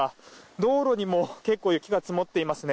道路にも結構雪が積もっていますね。